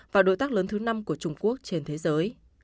và đối tác lớn thứ năm của trung quốc trên thế giới